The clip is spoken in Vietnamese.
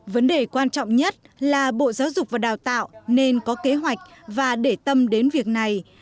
vấn đề quan trọng nhất là bộ giáo dục và đào tạo nên có kế hoạch và để tâm đến việc này